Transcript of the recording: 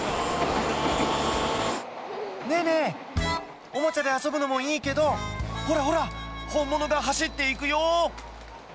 ねえ、ねえ、おもちゃで遊ぶのもいいけど、ほらほら、本物が走っていくよ。